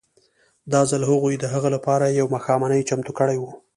دا ځل هغوی د هغه لپاره یوه ماښامنۍ چمتو کړې وه